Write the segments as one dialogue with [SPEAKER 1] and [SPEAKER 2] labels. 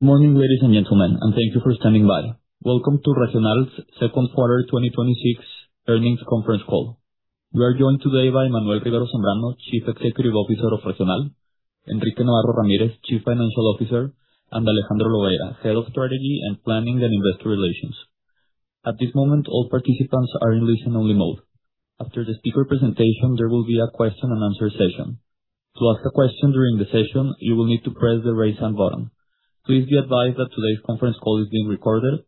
[SPEAKER 1] Morning, ladies and gentlemen, and thank you for standing by. Welcome to Regional's second quarter 2026 earnings conference call. You are joined today by Manuel Rivero Zambrano, Chief Executive Officer of Regional; Enrique Navarro Ramirez, Chief Financial Officer; and Alejandro Loera, Head of Strategy and Planning and Investor Relations. At this moment, all participants are in listen-only mode. After the speaker presentation, there will be a question-and-answer session. To ask a question during the session, you will need to press the raise hand button. Please be advised that today's conference call is being recorded.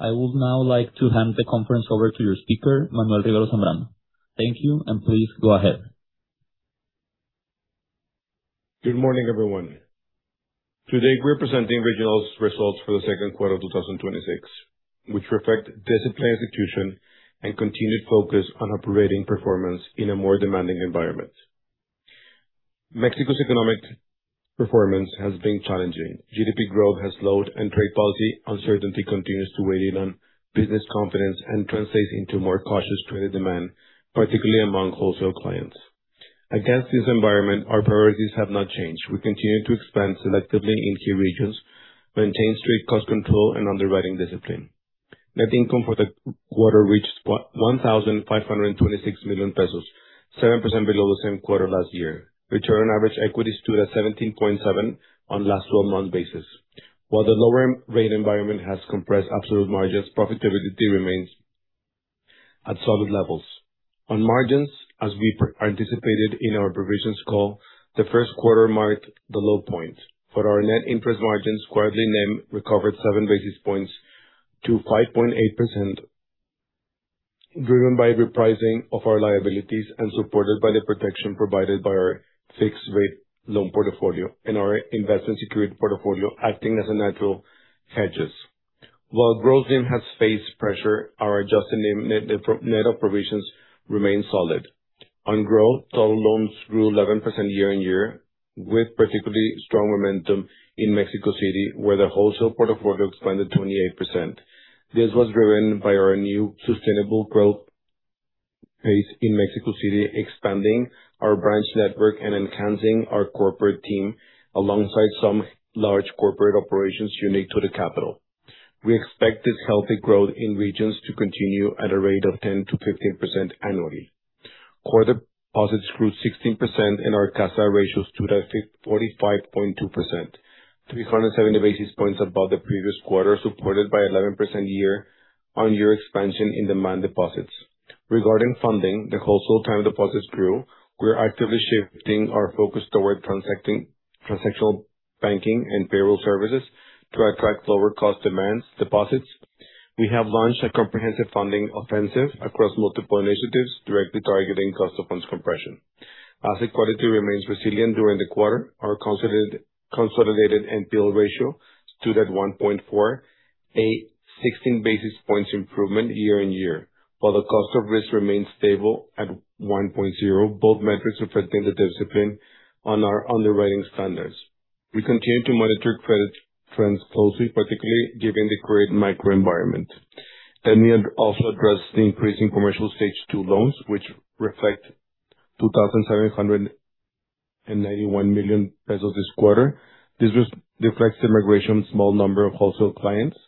[SPEAKER 1] I would now like to hand the conference over to your speaker, Manuel Rivero Zambrano. Thank you, and please go ahead.
[SPEAKER 2] Good morning, everyone. Today, we're presenting Regional's results for the second quarter of 2026, which reflect disciplined execution and continued focus on operating performance in a more demanding environment. Mexico's economic performance has been challenging. GDP growth has slowed, and trade policy uncertainty continues to weigh even business confidence and translates into more cautious credit demand, particularly among wholesale clients. Against this environment, our priorities have not changed. We continue to expand selectively in key regions, maintain strict cost control and underwriting discipline. Net income for the quarter reached 1,526 million pesos, 7% below the same quarter last year. Return on average equity stood at 17.7% on last 12-month basis. While the lower rate environment has compressed absolute margins, profitability remains at solid levels. On margins, as we anticipated in our provisions call, the first quarter marked the low point for our net interest margins. Quarterly NIM recovered 7 basis points to 5.8%, driven by repricing of our liabilities and supported by the protection provided by our fixed rate loan portfolio and our investment security portfolio acting as a natural hedges. While growth NIM has faced pressure, our adjusted NIM net of provisions remains solid. On growth, total loans grew 11% year-on-year, with particularly strong momentum in Mexico City, where the wholesale portfolio expanded 28%. This was driven by our new sustainable growth pace in Mexico City, expanding our branch network and enhancing our corporate team alongside some large corporate operations unique to the capital. We expect this healthy growth in regions to continue at a rate of 10%-15% annually. Core deposits grew 16%, and our CASA ratio stood at 45.2%, 370 basis points above the previous quarter, supported by 11% year-on-year expansion in demand deposits. Regarding funding, the wholesale time deposits grew. We are actively shifting our focus toward transactional banking and payroll services to attract lower cost deposits. We have launched a comprehensive funding offensive across multiple initiatives directly targeting cost of funds compression. Asset quality remains resilient during the quarter. Our consolidated NPL ratio stood at 1.4%, a 16 basis points improvement year-on-year. While the cost of risk remains stable at 1.0%, both metrics reflecting the discipline on our underwriting standards. We continue to monitor credit trends closely, particularly given the current macroenvironment. Let me also address the increase in commercial stage 2 loans, which reflect 2,791 million pesos this quarter. This just reflects the migration small number of wholesale clients.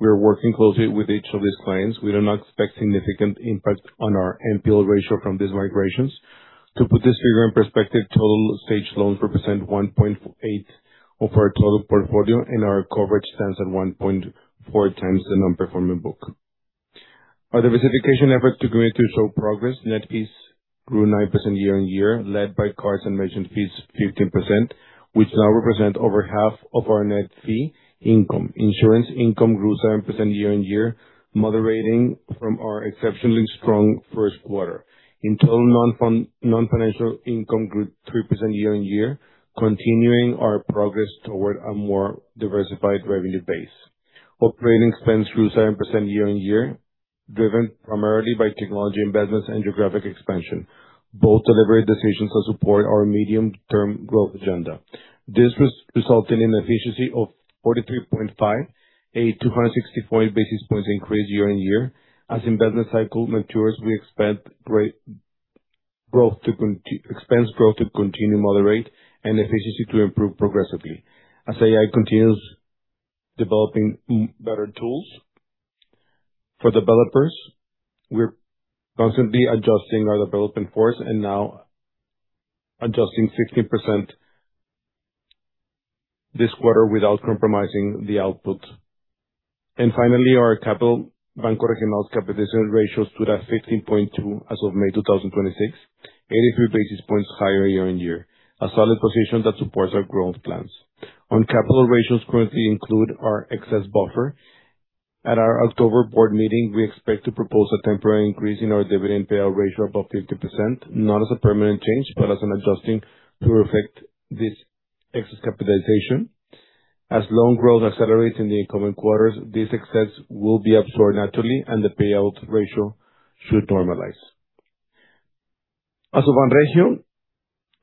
[SPEAKER 2] We are working closely with each of these clients. We do not expect significant impact on our NPL ratio from these migrations. To put this figure in perspective, total stage loans represent 1.8% of our total portfolio, and our coverage stands at 1.4x the non-performing book. Our diversification efforts continue to show progress. Net fees grew 9% year-on-year, led by cards and merchant fees, 15%, which now represent over half of our net fee income. Insurance income grew 7% year-on-year, moderating from our exceptionally strong first quarter. In total, non-financial income grew 3% year-on-year, continuing our progress toward a more diversified revenue base. Operating expense grew 7% year-on-year, driven primarily by technology investments and geographic expansion. Both deliberate decisions that support our medium-term growth agenda. This was resulting in efficiency of 43.5%, a 264 basis points increase year-on-year. As investment cycle matures, we expect expense growth to continue moderate and efficiency to improve progressively. As AI continues developing better tools for developers, we're constantly adjusting our development force and now adjusting 16% this quarter without compromising the output. Finally, our capital, Banco Regional's capitalization ratio stood at 15.2% as of May 2026, 83 basis points higher year-on-year. A solid position that supports our growth plans. Our capital ratios currently include our excess buffer. At our October board meeting, we expect to propose a temporary increase in our dividend payout ratio above 50%, not as a permanent change, but as an adjusting to reflect this excess capitalization. As loan growth accelerates in the incoming quarters, this excess will be absorbed naturally and the payout ratio should normalize. As of one ratio,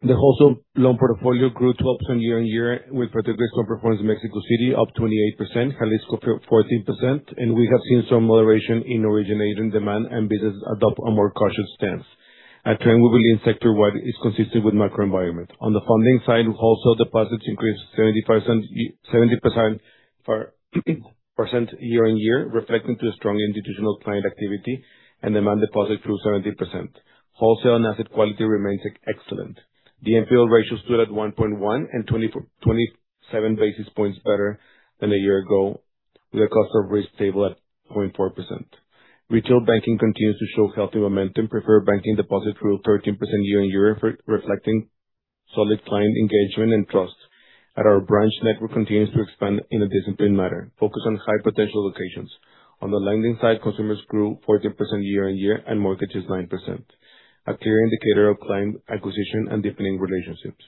[SPEAKER 2] the wholesale loan portfolio grew 12% year-on-year with particular strong performance in Mexico City, up 28%, Jalisco 14%, and we have seen some moderation in originating demand and business adopt a more cautious stance. A trend we believe sector wide is consistent with macro environment. On the funding side, wholesale deposits increased 17% year-on-year, reflecting a strong institutional client activity and demand deposit through 70%. Wholesale and asset quality remains excellent. The NPL ratio stood at 1.1% and 27 basis points better than a year ago, with a cost of risk stable at 0.4%. Retail banking continues to show healthy momentum. Preferred banking deposits grew 13% year-on-year, reflecting solid client engagement and trust. Our branch network continues to expand in a disciplined manner, focused on high potential locations. On the lending side, consumers grew 14% year-on-year and mortgages 9%. A clear indicator of client acquisition and deepening relationships.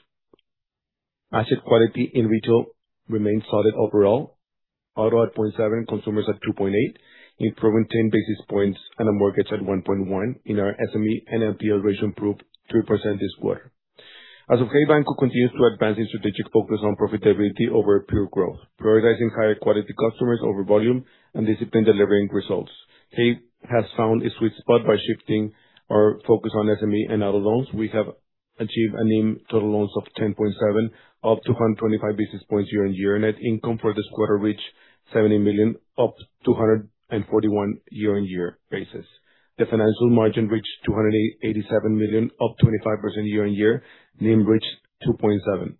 [SPEAKER 2] Asset quality in retail remains solid overall. Auto at 0.7%, consumers at 2.8%, improving 10 basis points, and a mortgage at 1.1%. In our SME NPL ratio improved 3% this quarter. As of today, Banregio continues to advance its strategic focus on profitability over pure growth, prioritizing higher quality customers over volume and discipline delivering results. Hey Banco has found a sweet spot by shifting our focus on SME and auto loans. We have achieved a NIM total loans of 10.7%, up 225 basis points year-on-year. Net income for this quarter reached 70 million, up 241% year-on-year. The financial margin reached 287 million, up 25% year-on-year. NIM reached 10.7%,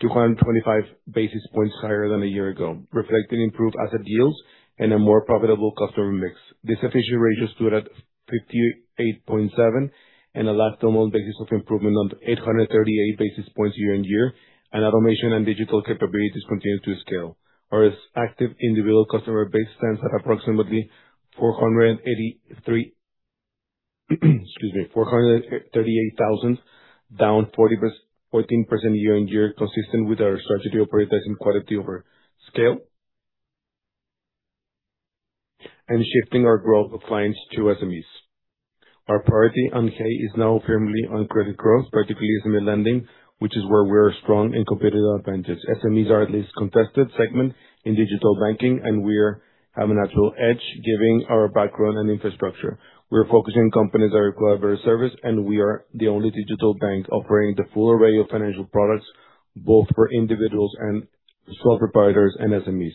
[SPEAKER 2] 225 basis points higher than a year ago, reflecting improved asset yields and a more profitable customer mix. The efficiency ratio stood at 58.7% and a last 12 month basis of improvement on 838 basis points year-on-year. Automation and digital capabilities continue to scale. Our active individual customer base stands at approximately 438,000, down 14% year-on-year, consistent with our strategy of prioritizing quality over scale and shifting our growth of clients to SMEs. Our priority on Hey is now firmly on credit growth, particularly SME lending, which is where we're strong and competitive advantage. SMEs are a less contested segment in digital banking, and we have a natural edge given our background and infrastructure. We are focusing on companies that require various services, and we are the only digital bank offering the full array of financial products, both for individuals and sole proprietors and SMEs.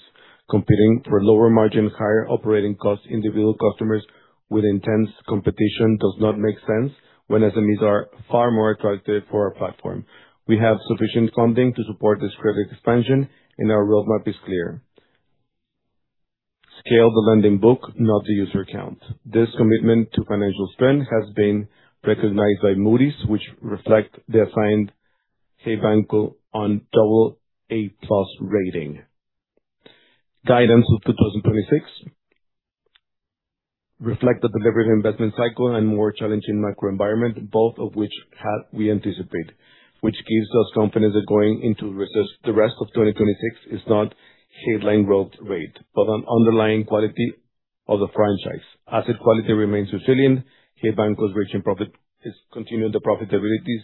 [SPEAKER 2] Competing for lower margin, higher operating costs individual customers with intense competition does not make sense when SMEs are far more attractive for our platform. We have sufficient funding to support this credit expansion, and our roadmap is clear—scale the lending book, not the user count. This commitment to financial strength has been recognized by Moody's, which reflects the assigned Hey Banco AA rating. Guidance of 2026 reflects the delivered investment cycle and more challenging macro environment, both of which we anticipate, which gives us confidence that going into the rest of 2026 is not headline growth rate, but an underlying quality of the franchise. Asset quality remains resilient. Hey Banco is continuing the profitability,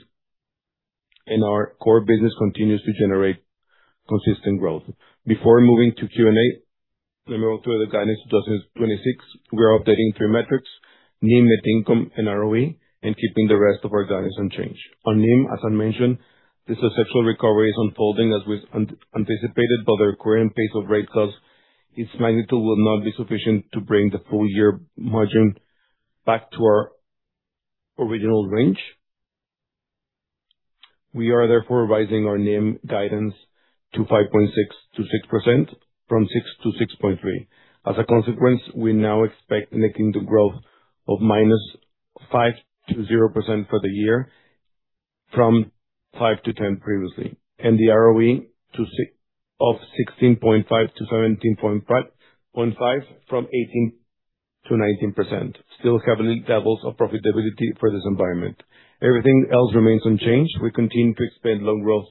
[SPEAKER 2] and our core business continues to generate consistent growth. Before moving to Q&A, let me go through the guidance 2026. We are updating three metrics, NIM, net income, and ROE, and keeping the rest of our guidance unchanged. On NIM, as I mentioned, the successful recovery is unfolding as we anticipated, but the recurring pace of rate cuts, its magnitude will not be sufficient to bring the full-year margin back to our original range. We are therefore revising our NIM guidance to 5.6%-6% from 6%-6.3%. As a consequence, we now expect net income growth of -5% to 0% for the year from 5%-10% previously, and the ROE of 16.5%-17.5% from 18%-19%, still healthy levels of profitability for this environment. Everything else remains unchanged. We continue to expand loan growth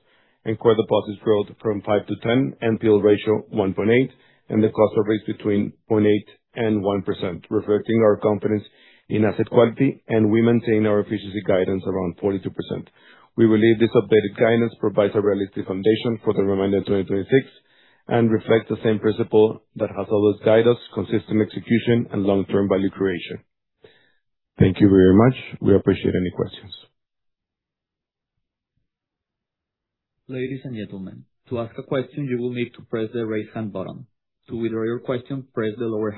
[SPEAKER 2] and core deposits growth from 5%-10%, NPL ratio 1.8%, and the cost of risk between 0.8% and 1%, reflecting our confidence in asset quality, and we maintain our efficiency guidance around 42%. We believe this updated guidance provides a realistic foundation for the remainder of 2026 and reflects the same principle that has always guided us, consistent execution and long-term value creation. Thank you very much. We appreciate any questions.
[SPEAKER 1] Ladies and gentlemen, to ask a question, you will need to press the raise hand button. To withdraw your question, press the lower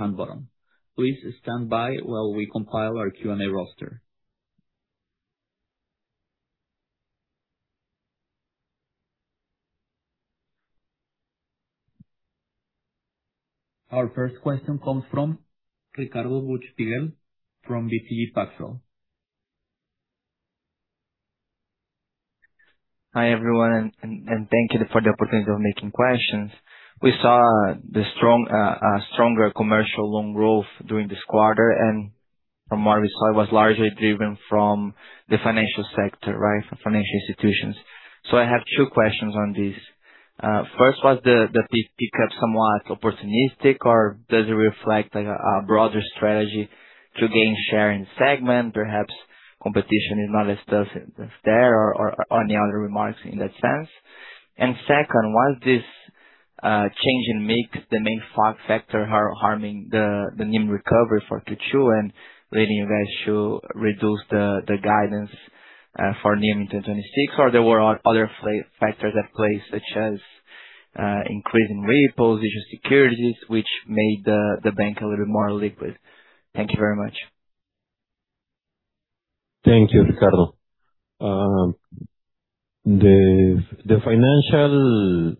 [SPEAKER 1] hand button. Please stand by while we compile our Q&A roster. Our first question comes from Ricardo Buchpiguel from BTG Pactual.
[SPEAKER 3] Hi, everyone. Thank you for the opportunity of making questions. We saw the stronger commercial loan growth during this quarter. From what I saw, it was largely driven from the financial sector, financial institutions. I have two questions on this. First, was the pick up somewhat opportunistic or does it reflect a broader strategy to gain share in segment? Perhaps competition is not as there or any other remarks in that sense. Second, was this change in mix the main factor harming the NIM recovery for Q2 and leading you guys to reduce the guidance for NIM in 2026, or there were other factors at play, such as increasing repos, issue securities, which made the bank a little more liquid? Thank you very much.
[SPEAKER 4] Thank you, Ricardo. The financial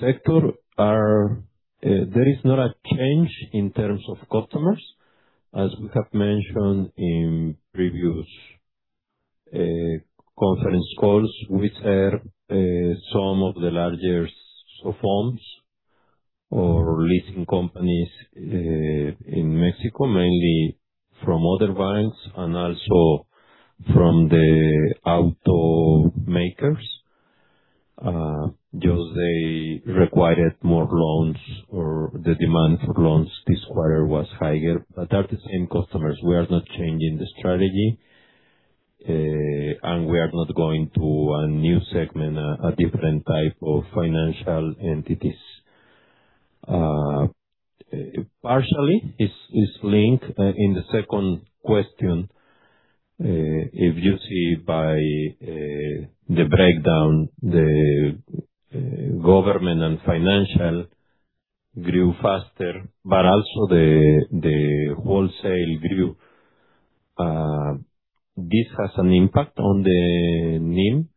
[SPEAKER 4] sector, there is not a change in terms of customers. As we have mentioned in previous conference calls, we serve some of the larger SOFOMS or leasing companies in Mexico, mainly from other banks and also from the auto makers. Just they required more loans or the demand for loans this quarter was higher. They are the same customers. We are not changing the strategy. We are not going to a new segment, a different type of financial entities. Partially, it's linked in the second question. If you see by the breakdown, the government and financial grew faster. Also the wholesale grew. This has an impact on the NIM,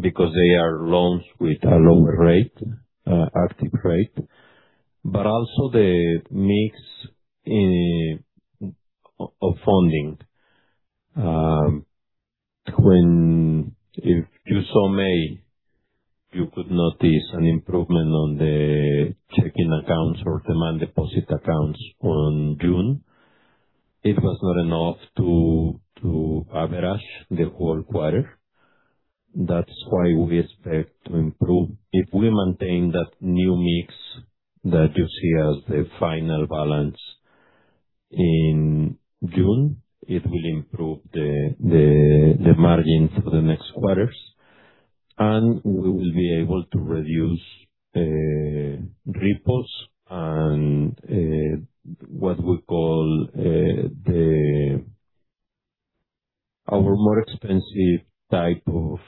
[SPEAKER 4] because they are loans with a lower rate, active rate. Also the mix of funding. If you saw May, you could notice an improvement on the checking accounts or demand deposit accounts on June. It was not enough to average the whole quarter. That's why we expect to improve. If we maintain that new mix that you see as a final balance in June, it will improve the margin for the next quarters. We will be able to reduce repos and what we call our more expensive type of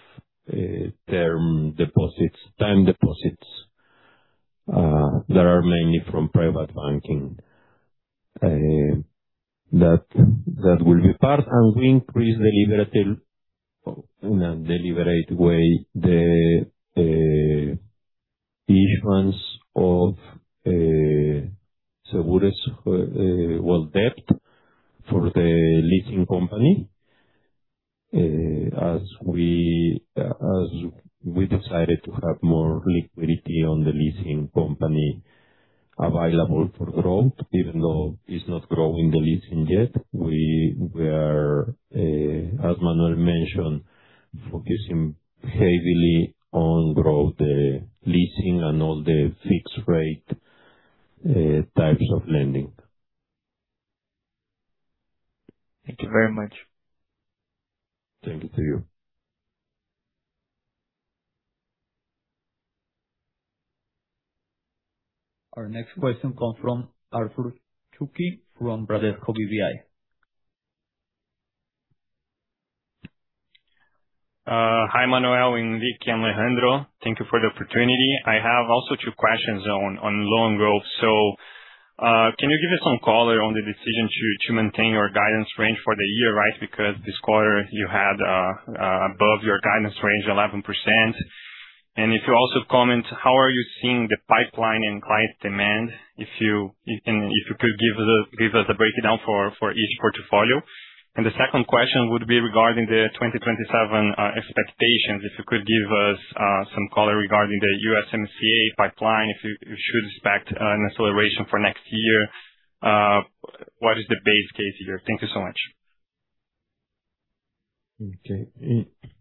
[SPEAKER 4] term deposits, time deposits, that are mainly from private banking. That will be part, we increase in a deliberate way the issuance of debt for the leasing company. As we decided to have more liquidity on the leasing company available for growth, even though it's not growing the leasing yet. We are, as Manuel mentioned, focusing heavily on growth, the leasing and all the fixed rate types of lending.
[SPEAKER 3] Thank you very much.
[SPEAKER 4] Thank you to you.
[SPEAKER 1] Our next question comes from Arthur Chuqui from Bradesco BBI.
[SPEAKER 5] Hi, Manuel and Enrique and Alejandro. Thank you for the opportunity. I have also two questions on loan growth. Can you give us some color on the decision to maintain your guidance range for the year? Because this quarter you had above your guidance range, 11%. If you also comment, how are you seeing the pipeline and client demand, and if you could give us a breakdown for each portfolio. The second question would be regarding the 2027 expectations. If you could give us some color regarding the USMCA pipeline, if we should expect an acceleration for next year. What is the base case here? Thank you so much.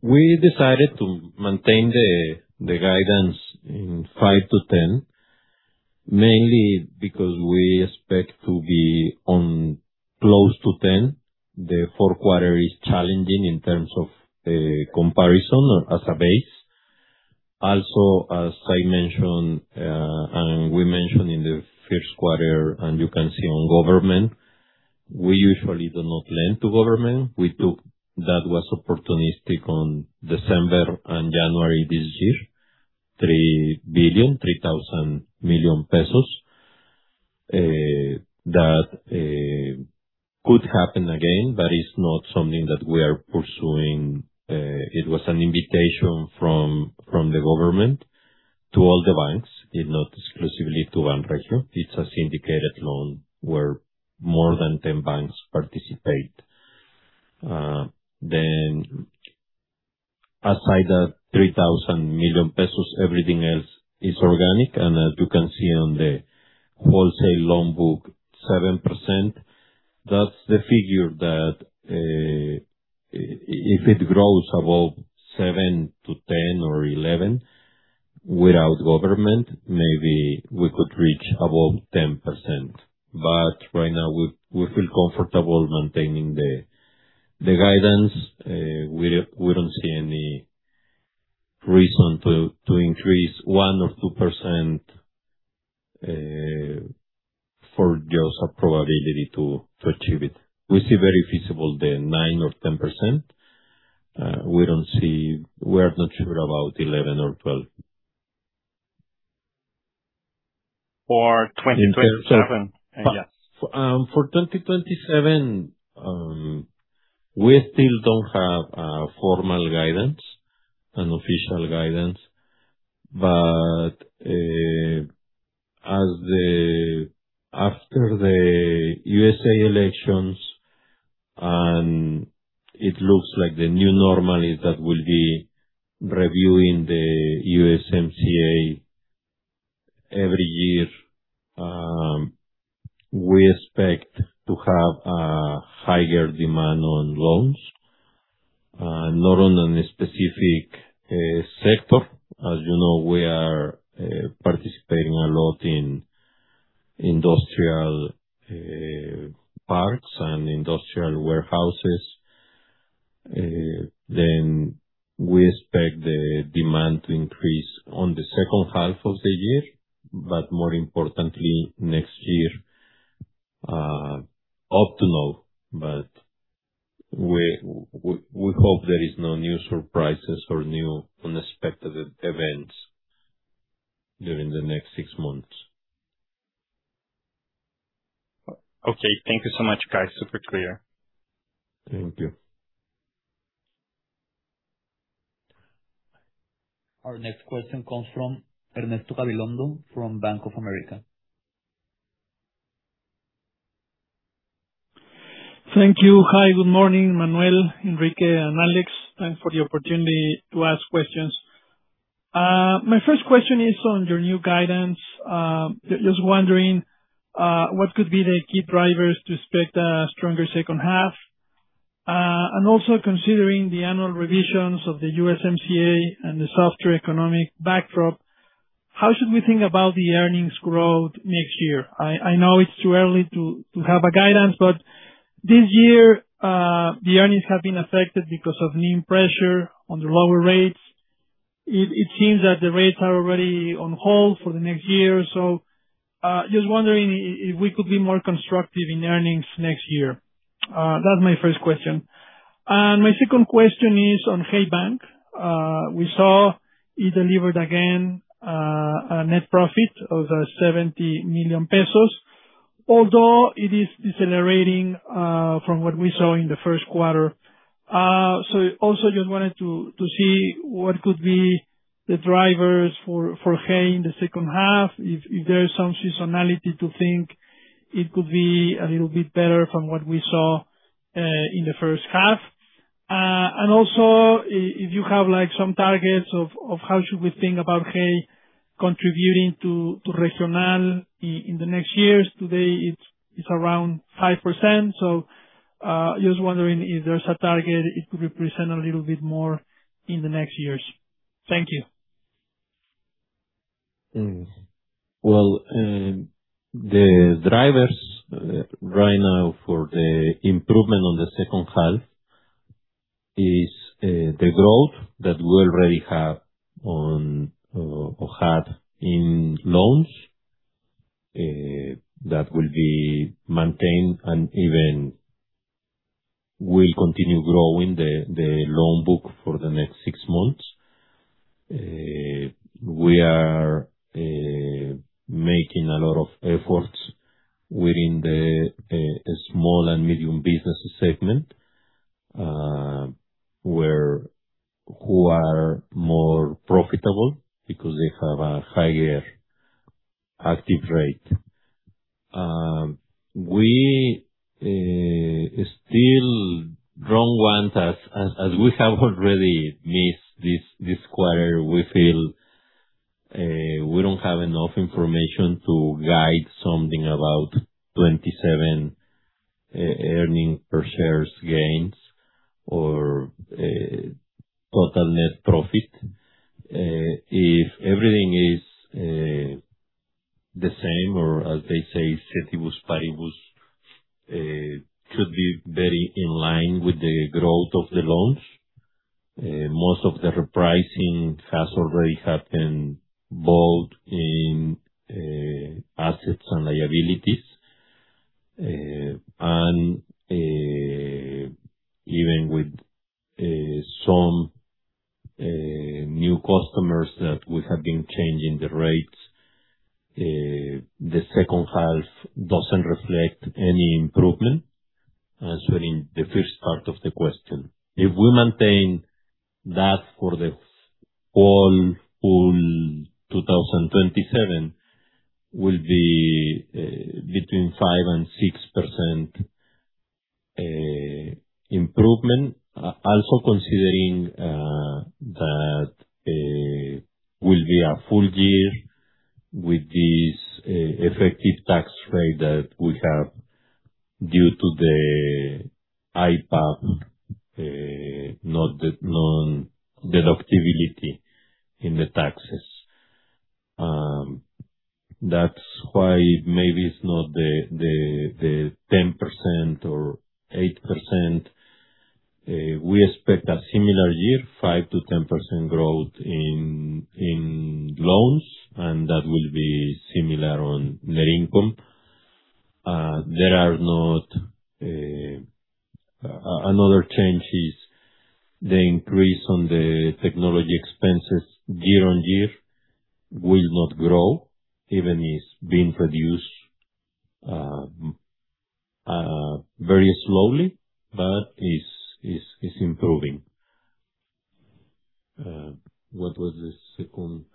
[SPEAKER 4] We decided to maintain the guidance in 5%-10%, mainly because we expect to be on close to 10%. The fourth quarter is challenging in terms of the comparison as a base. Also, as I mentioned, and we mentioned in the first quarter, and you can see on government, we usually do not lend to government. We took, that was opportunistic on December and January this year, 3 billion, 3,000 million pesos. That could happen again, but it's not something that we are pursuing. It was an invitation from the government to all the banks, and not exclusively to Banregio. It's a syndicated loan where more than 10 banks participate. Aside that 3,000 million pesos, everything else is organic, and as you can see on the wholesale loan book, 7%. That's the figure that, if it grows above 7% to 10% or 11% without government, maybe we could reach above 10%. Right now, we feel comfortable maintaining the guidance. We don't see any reason to increase 1% or 2% for just a probability to achieve it. We see very feasible the 9% or 10%. We are not sure about 11% or 12%.
[SPEAKER 5] For 2027?
[SPEAKER 4] For 2027, we still don't have a formal guidance, an official guidance. After the U.S.A. elections, and it looks like the new normal is that will be reviewing the USMCA every year, we expect to have a higher demand on loans and not on a specific sector. As you know, we are participating a lot in industrial parks and industrial warehouses. We expect the demand to increase in the second half of the year, but more importantly, next year up to now. We hope there is no new surprises or new unexpected events during the next six months.
[SPEAKER 5] Thank you so much, guys. Super clear.
[SPEAKER 4] Thank you.
[SPEAKER 1] Our next question comes from Ernesto Gabilondo from Bank of America.
[SPEAKER 6] Thank you. Hi, good morning, Manuel, Enrique, and Alejandro. Thanks for the opportunity to ask questions. My first question is on your new guidance. Just wondering, what could be the key drivers to expect a stronger second half? Also considering the annual revisions of the USMCA and the softer economic backdrop, how should we think about the earnings growth next year? I know it's too early to have a guidance, but this year, the earnings have been affected because of NIM pressure on the lower rates. It seems that the rates are already on hold for the next year. Just wondering if we could be more constructive in earnings next year. That's my first question. My second question is on Hey Banco. We saw it delivered again, a net profit of 70 million pesos, although it is decelerating, from what we saw in the first quarter. Also, just wanted to see what could be the drivers for Hey in the second half, if there is some seasonality to think it could be a little bit better from what we saw in the first half. Also, if you have some targets of how should we think about Hey contributing to Regional in the next years. Today, it's around 5%. Just wondering if there's a target, it could represent a little bit more in the next years. Thank you.
[SPEAKER 4] Well, the drivers right now for the improvement on the second half is the growth that we already have or had in loans, that will be maintained and even will continue growing the loan book for the next six months. We are making a lot of efforts within the small and medium business segment, who are more profitable because they have a higher active rate. We still draw ones as we have already missed this quarter. We feel we don't have enough information to guide something about 27 earnings per share gains or total net profit. If everything is the same or as they say, "Ceteris paribus," should be very in line with the growth of the loans. Most of the repricing has already happened, both in assets and liabilities. Even with some new customers that we have been changing the rates, the second half doesn't reflect any improvement, answering the first part of the question. If we maintain that for the full 2027, will be between 5% and 6% improvement. Also considering that it will be a full year with this effective tax rate that we have due to the IPA, not the non-deductibility in the taxes. That's why maybe it's not the 10% or 8%. We expect a similar year, 5%-10% growth in loans, and that will be similar on net income. Another change is the increase on the technology expenses year-over-year will not grow, even if it's being produced very slowly, but it's improving. What was the second?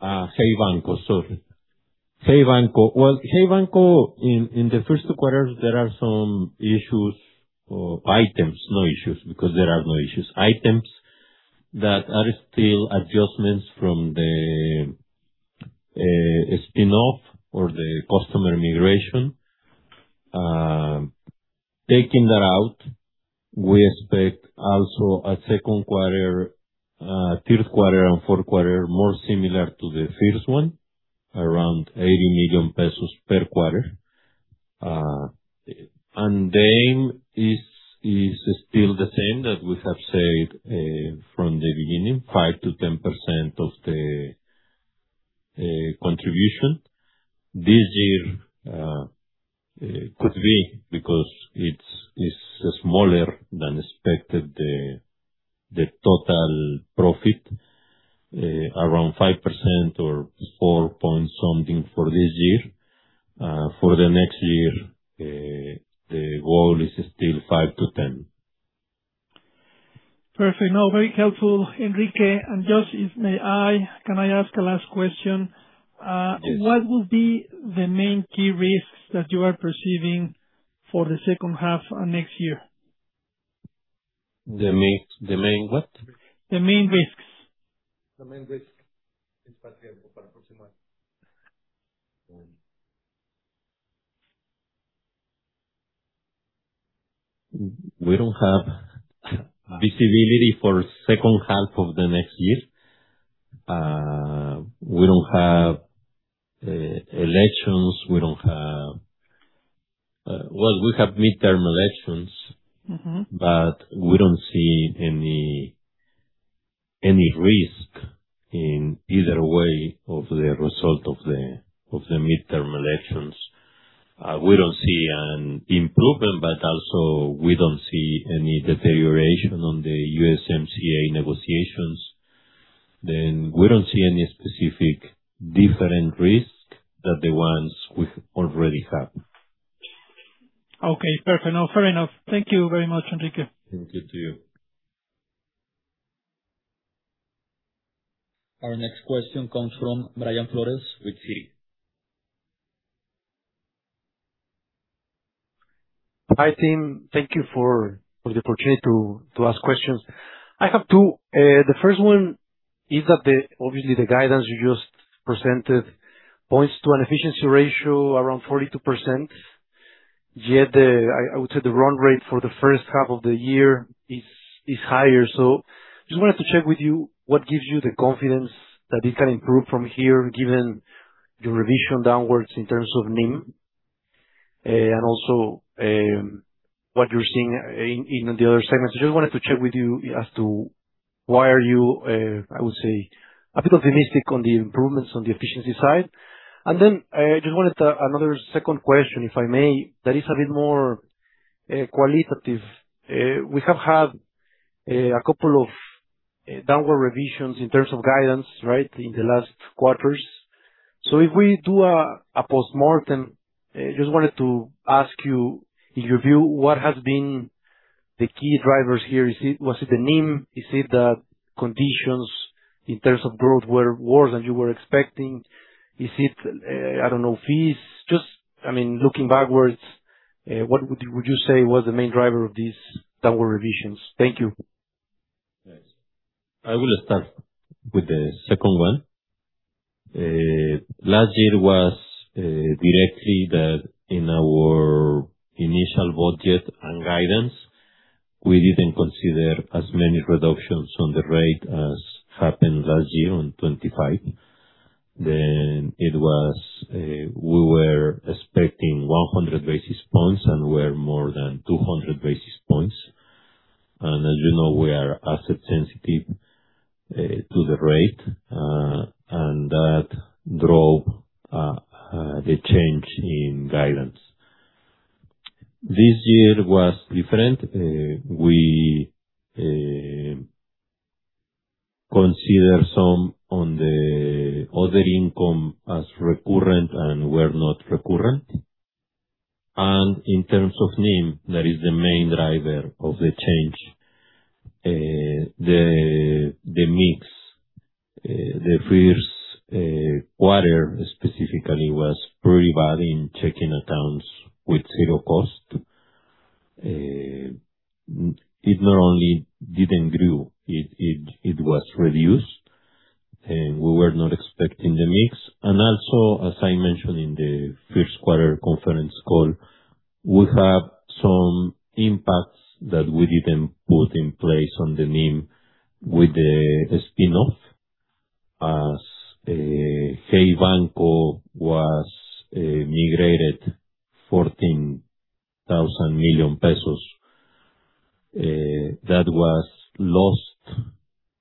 [SPEAKER 4] Hey Banco. Sorry. Hey Banco, in the first two quarters, there are some issues or items—not issues, because there are no issues—items that are still adjustments from the spin-off or the customer migration. Taking that out, we expect also a third quarter and fourth quarter more similar to the first one, around 80 million pesos per quarter. It's still the same that we have said from the beginning, 5%-10% of the contribution. This year, could be because it's smaller than expected, the total profit, around 5% or 4% something for this year. For the next year, the goal is still 5%-10%.
[SPEAKER 6] Perfect. Very helpful, Enrique. Just, can I ask a last question?
[SPEAKER 4] Yes.
[SPEAKER 6] What will be the main key risks that you are perceiving for the second half and next year?
[SPEAKER 4] The main what?
[SPEAKER 6] The main risks.
[SPEAKER 4] The main risks. We don't have visibility for second half of the next year. We don't have elections. Well, we have midterm elections. We don't see any risk in either way of the result of the midterm elections. We don't see an improvement, but also we don't see any deterioration on the USMCA negotiations. We don't see any specific different risk than the ones we already have.
[SPEAKER 6] Perfect. Fair enough. Thank you very much, Enrique.
[SPEAKER 4] Thank you, too.
[SPEAKER 1] Our next question comes from Brian Flores with Citi.
[SPEAKER 7] Hi, team. Thank you for the opportunity to ask questions. I have two. The first one is that, obviously, the guidance you just presented points to an efficiency ratio around 42%, yet I would say the run rate for the first half of the year is higher. Just wanted to check with you what gives you the confidence that it can improve from here, given your revision downwards in terms of NIM, and also, what you're seeing in the other segments. I just wanted to check with you as to why are you, I would say, optimistic on the improvements on the efficiency side. Another second question, if I may, that is a bit more qualitative. We have had a couple of downward revisions in terms of guidance in the last quarters. If we do a postmortem, just wanted to ask you, in your view, what has been the key drivers here. Was it the NIM? Is it that conditions in terms of growth were worse than you were expecting? Is it, I don't know, fees? Just looking backwards, what would you say was the main driver of these downward revisions? Thank you.
[SPEAKER 4] Thanks. I will start with the second one. Last year was directly that in our initial budget and guidance, we didn't consider as many reductions on the rate as happened last year on 2025. We were expecting 100 basis points, and we're more than 200 basis points. As you know, we are asset sensitive to the rate, and that drove the change in guidance. This year was different. We consider some on the other income as recurrent and were not recurrent. In terms of NIM, that is the main driver of the change. The mix. The first quarter specifically was pretty bad in checking accounts with zero cost. It not only didn't grow, it was reduced, and we were not expecting the mix. Also, as I mentioned in the first quarter conference call. We have some impacts that we didn't put in place on the NIM with the spin-off. As Hey Banco was migrated 14,000 million pesos. That was lost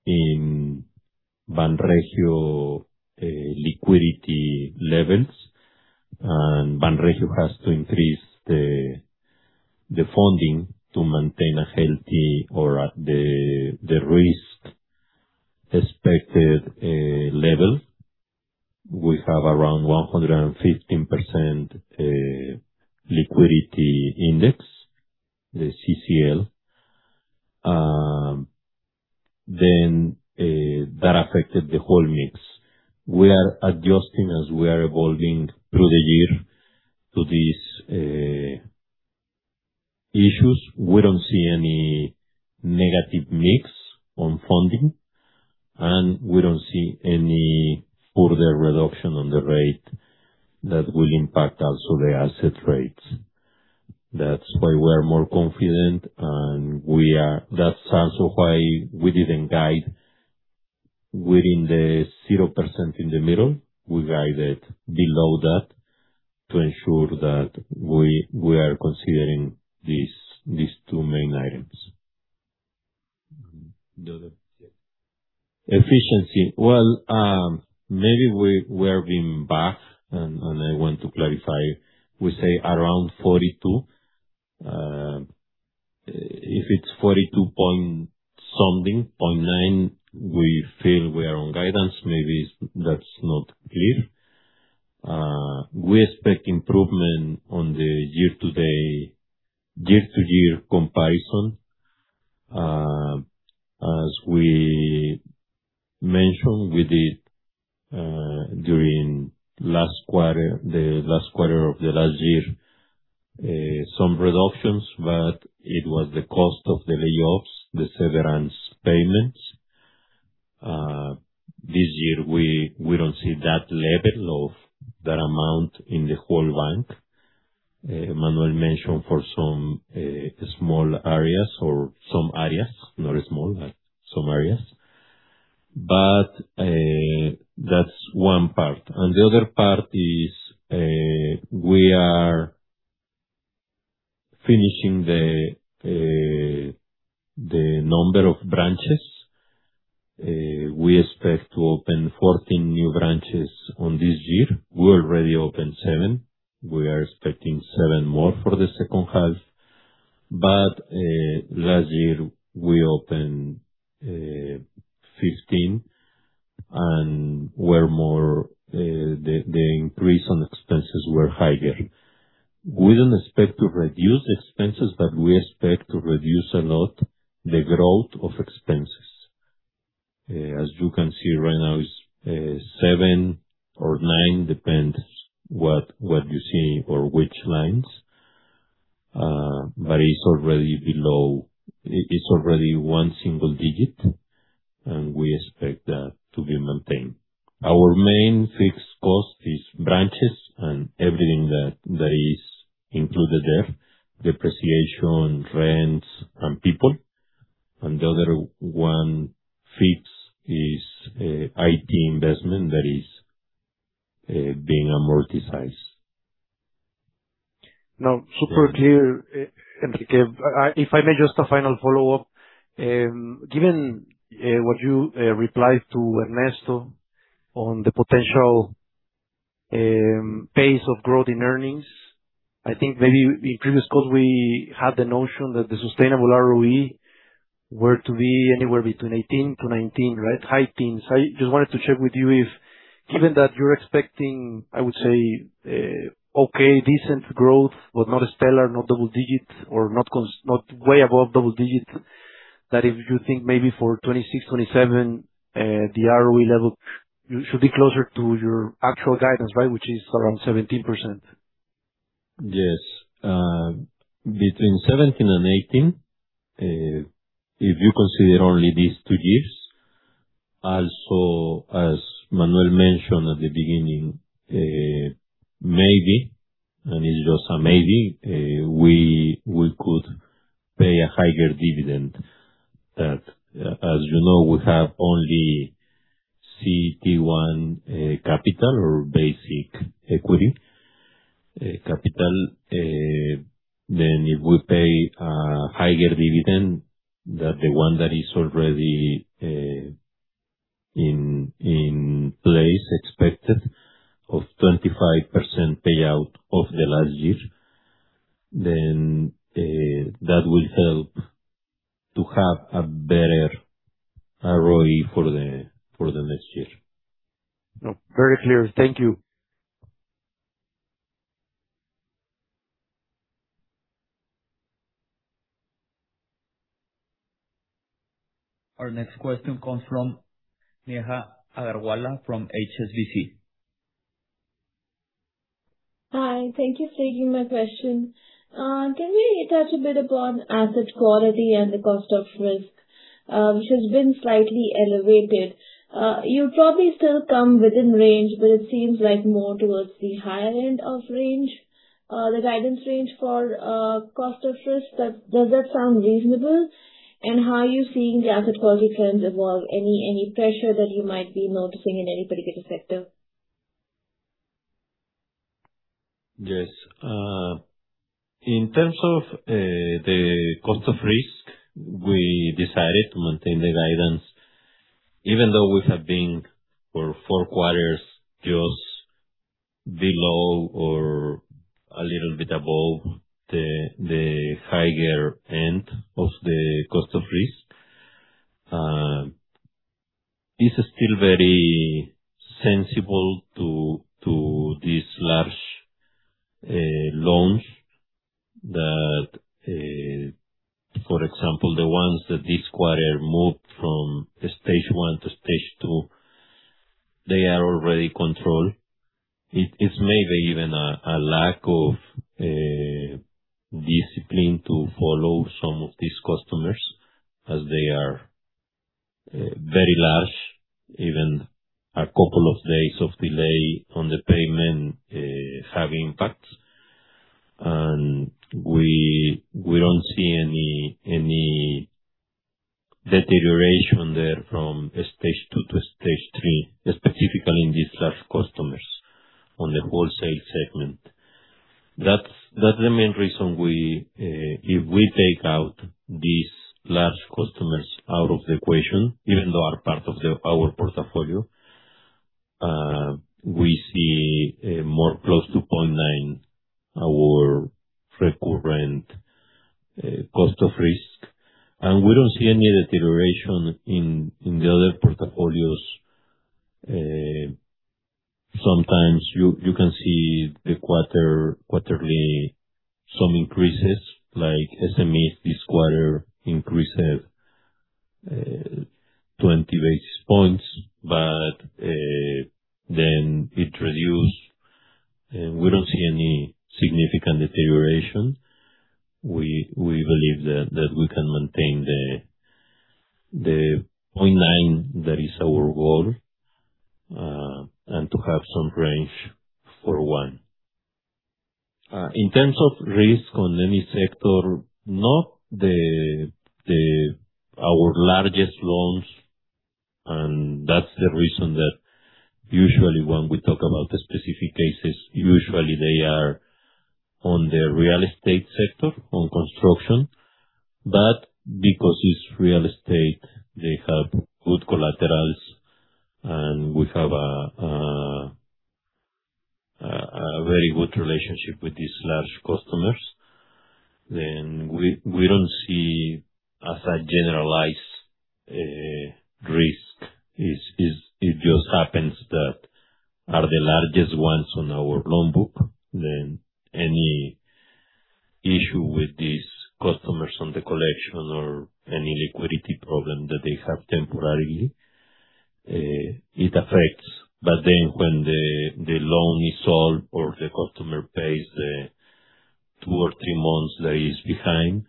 [SPEAKER 4] in Banregio liquidity levels, and Banregio has to increase the funding to maintain a healthy or at the risk expected level. We have around 115% liquidity index, the CCL. That affected the whole mix. We are adjusting as we are evolving through the year to these issues. We don't see any negative mix on funding. We don't see any further reduction on the rate that will impact also the asset rates. That's why we are more confident, that's also why we didn't guide within the 0% in the middle. We guided below that to ensure that we are considering these two main items.
[SPEAKER 7] The other?
[SPEAKER 4] Efficiency. Maybe we are being back, I want to clarify, we say around 42%. If it's 42% something, 42.9%, we feel we are on guidance. Maybe that's not clear. We expect improvement on the year-to-year comparison. As we mentioned, we did, during the last quarter of the last year, some reductions, but it was the cost of the layoffs, the severance payments. This year, we don't see that level of that amount in the whole bank. Manuel mentioned for some small areas or some areas, not small, but some areas. That's one part. The other part is we are finishing the number of branches. We expect to open 14 new branches on this year. We already opened seven. We are expecting seven more for the second half. Last year, we opened 15, and the increase on expenses were higher. We don't expect to reduce expenses, but we expect to reduce a lot the growth of expenses. As you can see right now, it's 7% or 9%, depends what you see for which lines. It's already one single-digit, we expect that to be maintained. Our main fixed cost is branches and everything that is included there, depreciation, rents, and people. The other one fixed is IT investment that is being amortized.
[SPEAKER 7] Super clear, Enrique. If I may, just a final follow-up. Given what you replied to Ernesto on the potential pace of growth in earnings, I think maybe in previous calls we had the notion that the sustainable ROE were to be anywhere between 18%-19%, high teens. I just wanted to check with you if, given that you're expecting, I would say, decent growth, but not stellar, not double-digit or not way above double-digit, that if you think maybe for 2026, 2027, the ROE level should be closer to your actual guidance, which is around 17%.
[SPEAKER 4] Yes. Between 17% and 18%, if you consider only these two years. Also, as Manuel mentioned at the beginning, maybe, it's just a maybe, we could pay a higher dividend. As you know, we have only CET1 capital or basic equity capital. If we pay a higher dividend than the one that is already in place, expected of 25% payout of the last year, that will help to have a better ROE for the next year.
[SPEAKER 7] Very clear. Thank you.
[SPEAKER 1] Our next question comes from Neha Agarwala from HSBC.
[SPEAKER 8] Hi. Thank you for taking my question. Can you touch a bit upon asset quality and the cost of risk, which has been slightly elevated? You'll probably still come within range, but it seems like more towards the higher end of range, the guidance range for cost of risk. Does that sound reasonable? How are you seeing the asset quality trends evolve? Any pressure that you might be noticing in any particular sector?
[SPEAKER 4] Yes. In terms of the cost of risk, we decided to maintain the guidance even though we have been for four quarters just below or a little bit above the higher end of the cost of risk. This is still very sensible to these large loans that, for example, the ones that this quarter moved from stage 1 to stage 2, they are already controlled. It's maybe even a lack of discipline to follow some of these customers as they are very large. Even a couple of days of delay on the payment have impact. We don't see any deterioration there from stage 2 to stage 3, specifically in these large customers on the wholesale segment. That's the main reason. If we take out these large customers out of the equation, even though are part of our portfolio, we see a more close to 0.9 our frequent cost of risk. We don't see any deterioration in the other portfolios. Sometimes you can see the quarterly, some increases, like SMEs this quarter increased 20 basis points, then it reduced, and we don't see any significant deterioration. We believe that we can maintain the 0.9 that is our goal, and to have some range for one. In terms of risk on any sector, not our largest loans, that's the reason that usually when we talk about the specific cases, usually they are on the real estate sector, on construction. Because it's real estate, they have good collaterals, and we have a very good relationship with these large customers. We don't see as a generalized risk. It just happens that are the largest ones on our loan book. Any issue with these customers on the collection or any liquidity problem that they have temporarily, it affects. When the loan is sold or the customer pays the two or three months that is behind,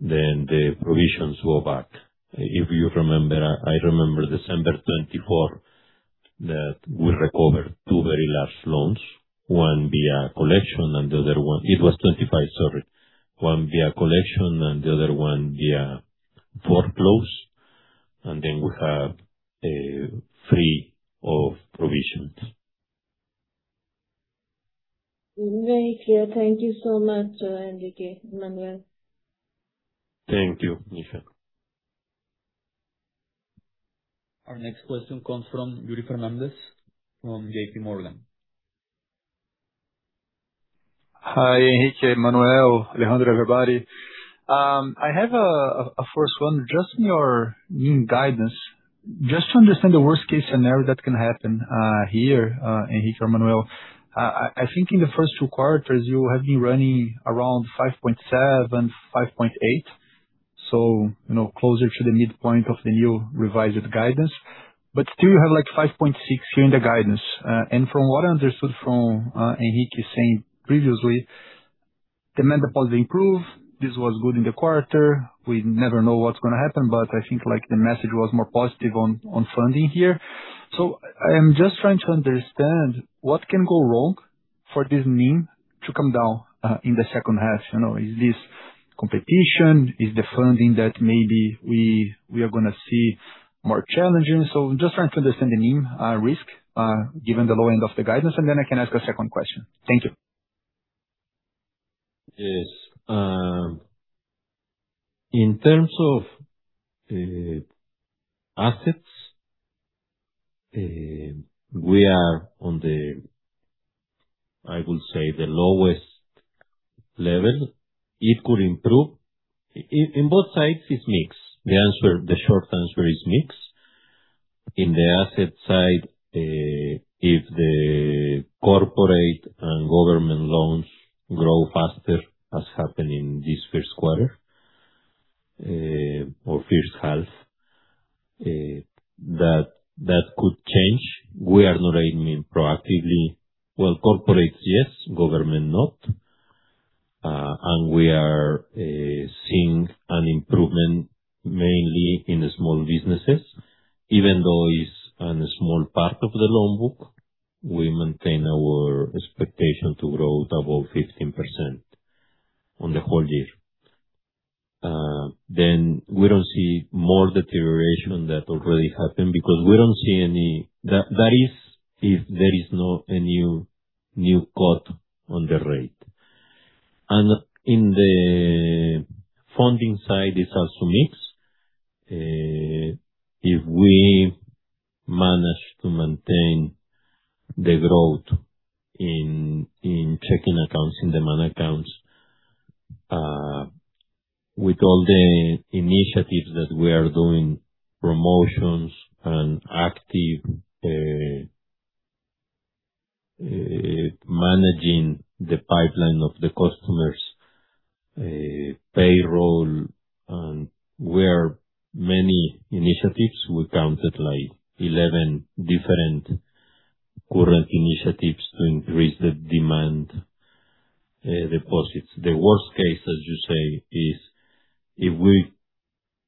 [SPEAKER 4] the provisions go back. I remember December 2024, that we recovered two very large loans, one via collection and the other one—it was 2025, sorry—one via collection and the other one via foreclose. We have free of provisions.
[SPEAKER 8] Very clear. Thank you so much, Enrique, Manuel.
[SPEAKER 4] Thank you, Neha.
[SPEAKER 1] Our next question comes from Yuri Fernandes from JPMorgan.
[SPEAKER 9] Hi, Enrique, Manuel, Alejandro, everybody. I have a first one. Just in your NIM guidance, just to understand the worst case scenario that can happen here, Enrique or Manuel. I think in the first two quarters, you have been running around 5.7%, 5.8%. Closer to the midpoint of the new revised guidance. Still you have 5.6% here in the guidance. From what I understood from Enrique saying previously, the net deposit improved. This was good in the quarter. We never know what's going to happen, but I think the message was more positive on funding here. I'm just trying to understand what can go wrong for this NIM to come down in the second half. Is this competition? Is the funding that maybe we are going to see more challenging? I'm just trying to understand the NIM risk, given the low end of the guidance, and then I can ask a second question. Thank you.
[SPEAKER 4] Yes. In terms of assets, we are on the, I would say, the lowest level. It could improve. In both sides, it's mixed. The short answer is mixed. In the asset side, if the corporate and government loans grow faster, as happened in this first quarter or first half. That could change. We are not aiming proactively. Well, corporate, yes, government, no. We are seeing an improvement mainly in the small businesses, even though it's in a small part of the loan book, we maintain our expectation to grow above 15% on the whole year. We don't see more deterioration that already happened because we don't see any, that is if there is no new cut on the rate. In the funding side, it's also mixed. If we manage to maintain the growth in checking accounts, in demand accounts, with all the initiatives that we are doing, promotions and active, managing the pipeline of the customers, payroll, we counted 11 different current initiatives to increase the demand deposits. The worst case, as you say, is if we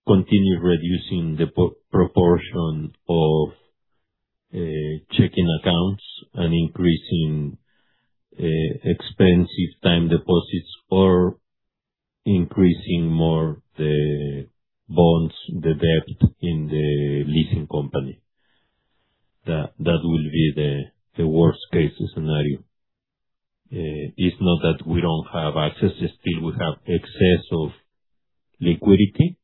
[SPEAKER 4] continue reducing the proportion of checking accounts and increasing expensive time deposits or increasing more the bonds, the debt in the leasing company. That will be the worst-case scenario. It's not that we don't have access yet, still we have excess of liquidity,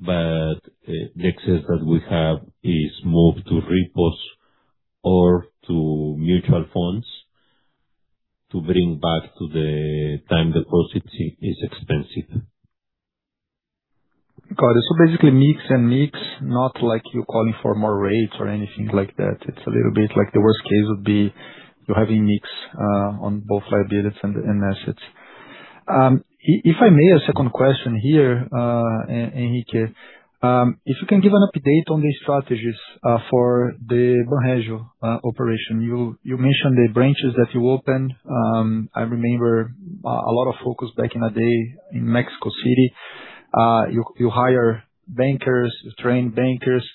[SPEAKER 4] but the excess that we have is moved to repos or to mutual funds to bring back to the time deposit is expensive.
[SPEAKER 9] Got it. Basically mix and mix, not like you're calling for more rates or anything like that. It's a little bit like the worst case would be you're having mix on both liabilities and assets. If I may, a second question here, Enrique. If you can give an update on the strategies for the Banregio operation. You mentioned the branches that you opened. I remember a lot of focus back in the day in Mexico City. You hire bankers, you train bankers.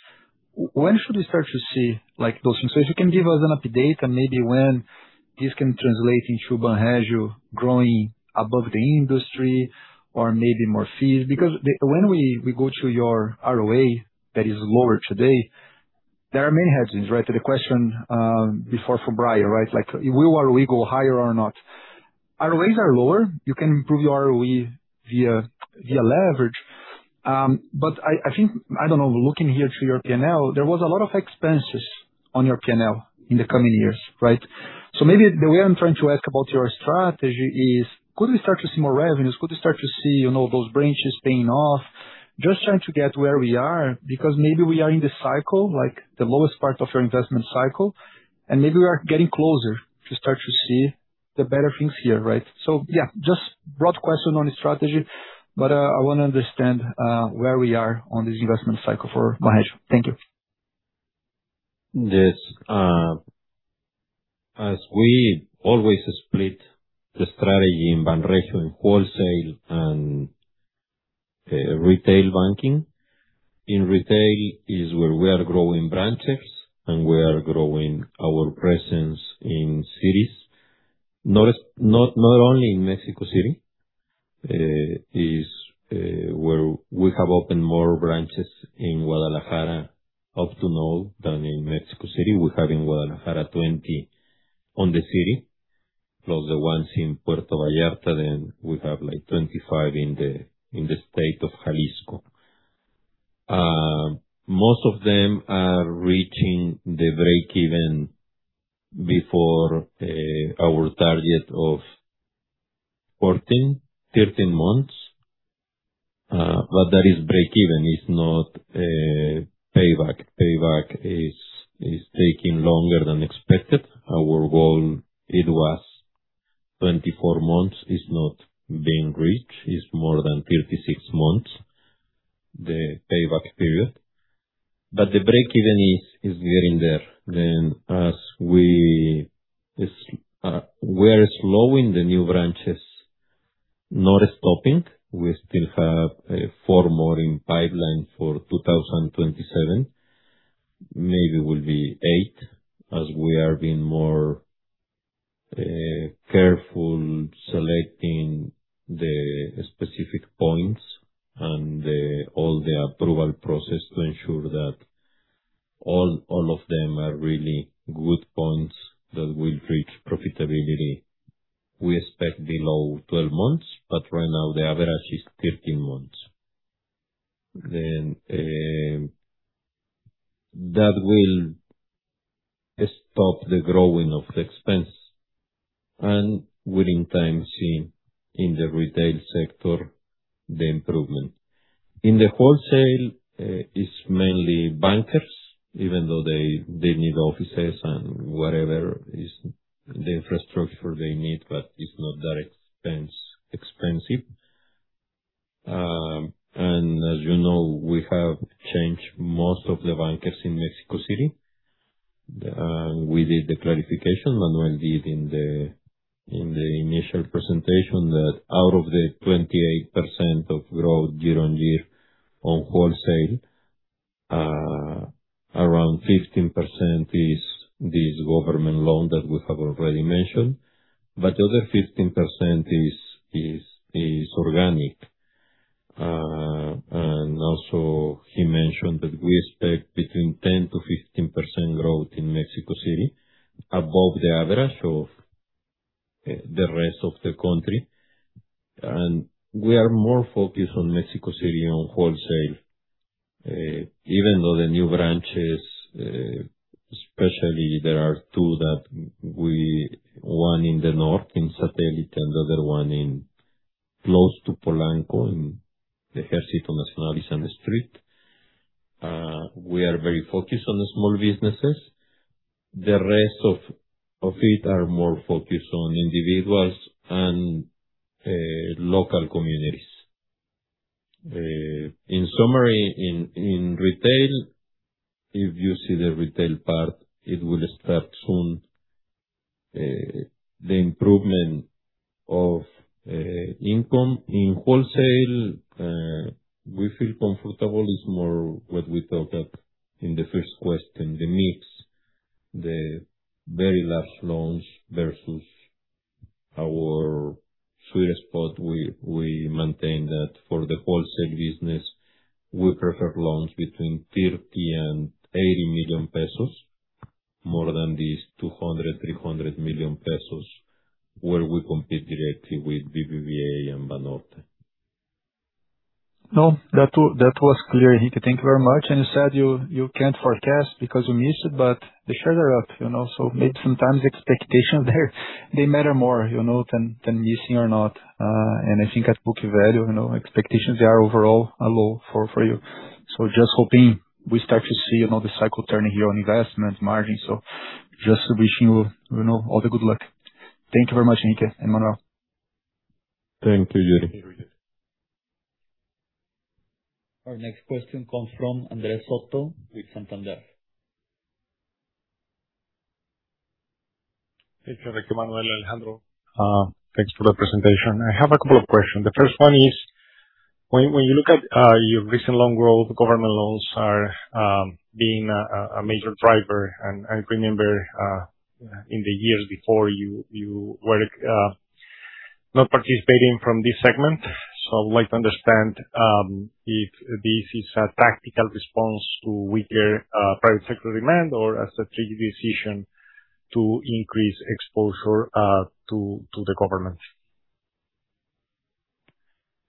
[SPEAKER 9] When should we start to see those things? If you can give us an update and maybe when this can translate into Banregio growing above the industry or maybe more fees. When we go to your ROA, that is lower today, there are many hedges. To the question before for Brian. Will our ROE go higher or not? ROEs are lower. You can improve your ROE via leverage. I think, I don't know, looking here to your P&L, there was a lot of expenses on your P&L in the coming years. Maybe the way I'm trying to ask about your strategy is, could we start to see more revenues? Could we start to see those branches paying off? Just trying to get where we are, because maybe we are in the cycle, like the lowest part of your investment cycle, and maybe we are getting closer to start to see the better things here. Just broad question on the strategy, but I want to understand where we are on this investment cycle for Banregio. Thank you.
[SPEAKER 4] Yes. We always split the strategy in Banregio in wholesale and retail banking. In retail is where we are growing branches and we are growing our presence in cities. Not only in Mexico City, is where we have opened more branches in Guadalajara up to now than in Mexico City. We have in Guadalajara, 20 on the city. Plus the ones in Puerto Vallarta, then we have like 25 in the state of Jalisco. Most of them are reaching the break-even before our target of 14, 13 months. That is break-even, is not payback. Payback is taking longer than expected. Our goal, it was 24 months, is not being reached. It's more than 36 months, the payback period. The break-even is getting there. We're slowing the new branches, not stopping. We still have four more in pipeline for 2027, maybe will be eight, as we are being more careful selecting the specific points and all the approval process to ensure that all of them are really good points that will reach profitability. We expect below 12 months, but right now the average is 15 months. That will stop the growing of the expense. We are in time seeing in the retail sector, the improvement. In the wholesale, is mainly bankers, even though they need offices and whatever is the infrastructure they need, but it is not that expensive. As you know, we have changed most of the bankers in Mexico City. We did the clarification, Manuel did in the initial presentation, that out of the 28% of growth year-on-year on wholesale, around 15% is this government loan that we have already mentioned. The other 15% is organic. Also he mentioned that we expect between 10%-15% growth in Mexico City above the average of the rest of the country. We are more focused on Mexico City on wholesale. Even though the new branches, especially there are two, one in the north, in Satélite, and the other one close to Polanco, in the Ejército Nacional and the street. We are very focused on the small businesses. The rest of it are more focused on individuals and local communities. In summary, in retail, if you see the retail part, it will start soon. The improvement of income in wholesale, we feel comfortable, is more what we talked at in the first question, the mix, the very last loans versus our sweet spot. We maintain that for the wholesale business, we prefer loans between 30 million and 80 million pesos, more than these 200 million, 300 million pesos, where we compete directly with BBVA and Banorte.
[SPEAKER 9] That was clear, Enrique. Thank you very much. You said you cannot forecast because you missed it, but the shares are up. Maybe sometimes expectations they matter more, than missing or not. I think at book value, expectations, they are overall low for you. Just hoping we start to see the cycle turning here on investment margin. Just wishing you all the good luck. Thank you very much, Enrique and Manuel.
[SPEAKER 4] Thank you, Yuri.
[SPEAKER 1] Our next question comes from Andres Soto with Santander.
[SPEAKER 10] Hey, Enrique, Manuel and Alejandro. Thanks for the presentation. I have a couple of questions. The first one is, when you look at your recent loan growth, government loans are being a major driver, I remember in the years before, you were not participating from this segment. I would like to understand if this is a tactical response to weaker private sector demand or a strategic decision to increase exposure to the government.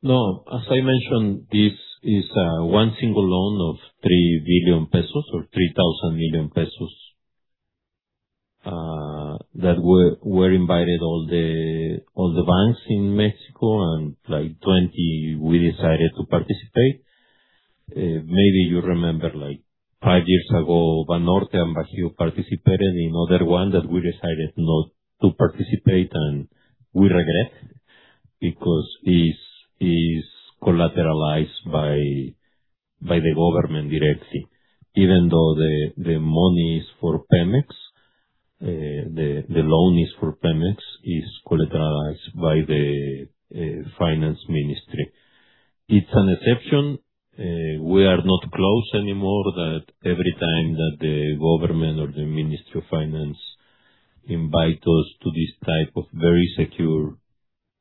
[SPEAKER 4] As I mentioned, this is one single loan of 3 billion pesos or 3,000 million pesos, that were invited all the banks in Mexico, 20. We decided to participate. Maybe you remember five years ago, Banorte and BanBajío participated in other one that we decided not to participate, we regret because it is collateralized by the government directly. Even though the money is for PEMEX, the loan is for PEMEX, it is collateralized by the finance ministry. It is an exception. We are not closed anymore that every time that the government or the Ministry of Finance invite us to this type of very secure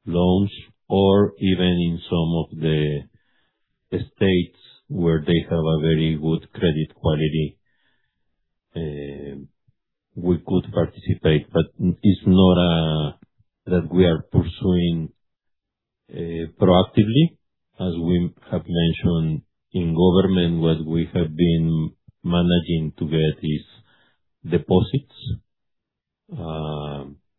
[SPEAKER 4] loans or even in some of the states where they have a very good credit quality, we could participate. It is not that we are pursuing proactively. As we have mentioned, in government, what we have been managing to get is deposits.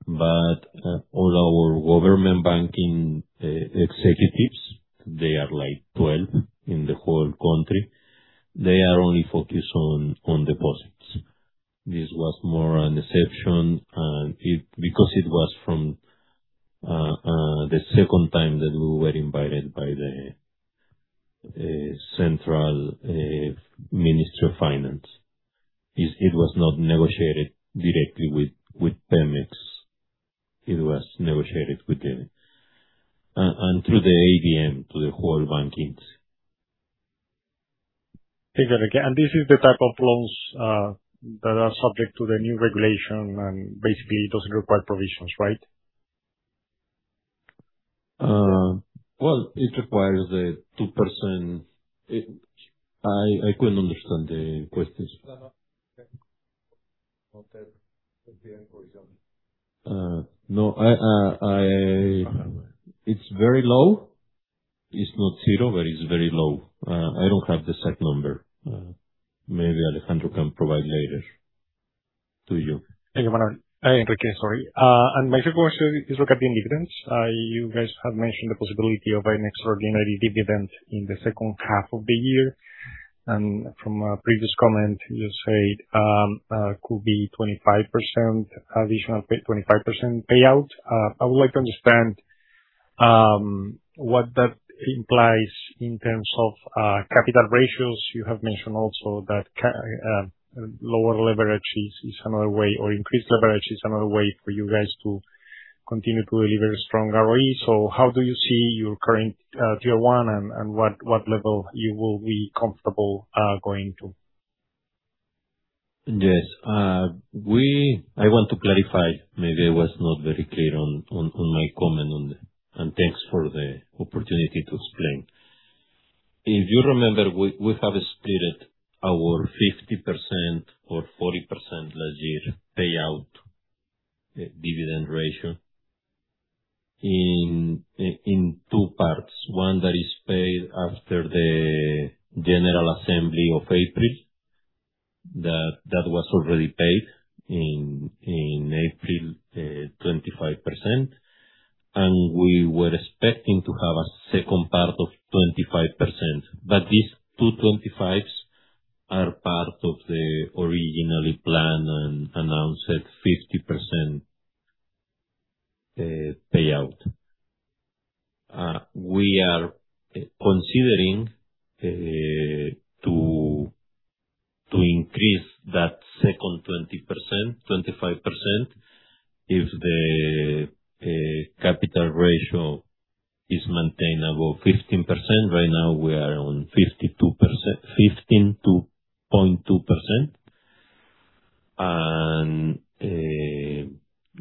[SPEAKER 4] Our government banking executives, they are 12 in the whole country, they are only focused on deposits. This was more an exception, because it was from the second time that we were invited by the Central Ministry of Finance. It was not negotiated directly with PEMEX. It was negotiated through the ABM to the whole banks.
[SPEAKER 10] Thank you. This is the type of loans that are subject to the new regulation and basically it doesn't require provisions, right?
[SPEAKER 4] Well, it requires a 2%. I couldn't understand the question. No. It's very low. It's not zero, but it's very low. I don't have the exact number. Maybe Alejandro can provide later to you.
[SPEAKER 10] Thank you, Enrique. My second question is, look at the dividends. You guys have mentioned the possibility of an extraordinary dividend in the second half of the year. From a previous comment, you said could be 25% additional, 25% payout. I would like to understand what that implies in terms of capital ratios. You have mentioned also that lower leverage is another way, or increased leverage is another way for you guys to continue to deliver strong ROE. How do you see your current Tier 1 and what level you will be comfortable going to?
[SPEAKER 4] I want to clarify, maybe I was not very clear on my comment on that. Thanks for the opportunity to explain. If you remember, we have split our 50% or 40% last year payout dividend ratio in two parts. One that is paid after the General Assembly of April. That was already paid in April, 25%. We were expecting to have a second part of 25%. These two 25% are part of the originally planned and announced at 50% payout. We are considering to increase that second 25% if the capital ratio is maintainable 15%. Right now, we are on 15.2%.